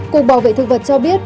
cục bảo vệ thực vật cho biết